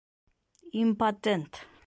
Импотент.